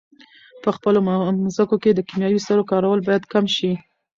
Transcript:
په خپلو مځکو کې د کیمیاوي سرو کارول باید کم شي.